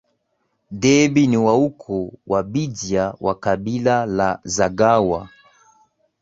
Déby ni wa ukoo wa Bidyat wa kabila la Zaghawa